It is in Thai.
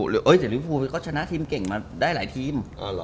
เดี๋ยวลิวภูเขาชนะทีมเก่งมาได้หลายทีม